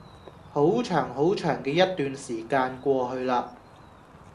好長好長嘅一段時間過去嘞